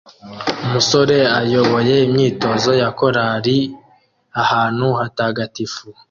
Umusore ayoboye imyitozo ya korari ahantu hatagatifu